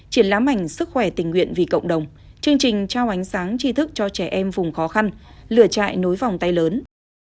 triển lãm ảnh sức khỏe tình nguyện vì cộng đồng chương trình trao ánh sáng tri thức cho trẻ em vùng khó khăn lửa chạy nối vòng tay lớn